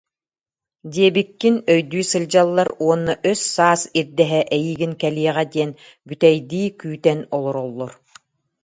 диэбиккин өйдүү сылдьаллар уонна өс-саас ирдэһэ эйигин кэлиэҕэ диэн бүтэйдии күүтэн олороллор